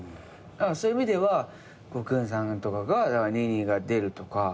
そういう意味ではコクーンさんとかがにいにが出るとか。